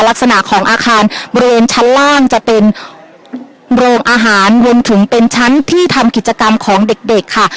ลักษณะของอาคารบริเวณชั้นล่างจะเป็นโรงอาหารรวมถึงเป็นชั้นที่ทำกิจกรรมของเด็กเด็กค่ะ